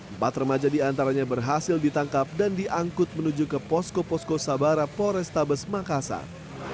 empat remaja di antaranya berhasil ditangkap dan diangkut menuju ke posko posko sabara pores tabes makassar